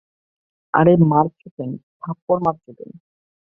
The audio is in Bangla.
আরে মারছ কেন, থাপ্পর মারছ কেন?